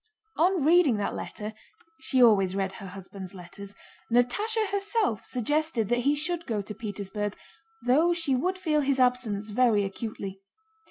On reading that letter (she always read her husband's letters) Natásha herself suggested that he should go to Petersburg, though she would feel his absence very acutely.